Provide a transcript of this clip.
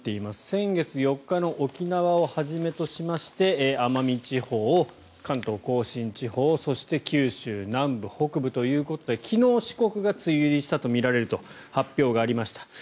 先月４日の沖縄を始めとしまして、奄美地方関東・甲信地方そして九州南部、北部ということで昨日、四国が梅雨入りしたとみられると発表がありました。